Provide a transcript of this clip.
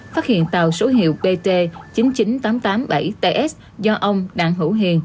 phát hiện tàu số hiệu bt chín mươi chín nghìn tám trăm tám mươi bảy ts do ông đặng hữu hiền